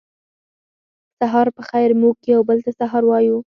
سهار پخېر موږ یو بل ته هر سهار وایو